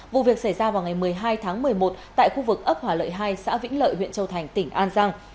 vụ việc xảy ra vào ngày một mươi hai tháng một mươi một tại khu vực ấp hòa lợi hai xã vĩnh lợi huyện châu thành tỉnh an giang